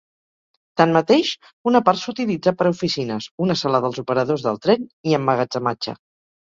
Tanmateix, una part s'utilitza per a oficines, una sala dels operadors del tren i emmagatzematge.